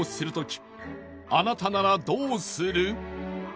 あなたならどうする？